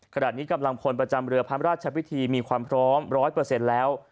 ขณะนี้กำลังคนประจำเรือพรรมราชวิธีมีความพร้อมร้อยเปอร์เซ็นต์แล้ว